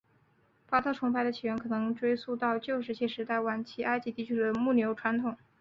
巴特崇拜的起源可能能追溯到旧石器时代晚期埃及地区的牧牛传统。